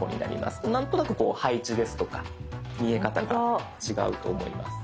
何となくこう配置ですとか見え方が違うと思います。